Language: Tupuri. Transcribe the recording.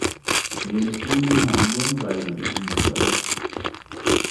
Ŋgel suuli maa ɓɔn bay go de uygi wà ɗa.